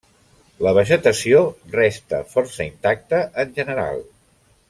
La vegetació resta força intacta en general.